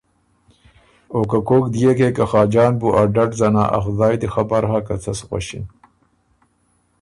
او که کوک ديېکې که خاجان بُو ا ډډ ځنا ا خدایٛ دی خبر هۀ که څۀ سو غؤݭِن۔